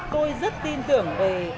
tôi rất tin tưởng